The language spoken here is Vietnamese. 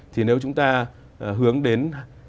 thì nếu chúng ta hướng đến một hai